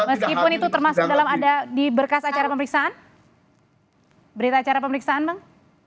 meskipun itu termasuk dalam ada di berkas acara pemeriksaan berita acara pemeriksaan bang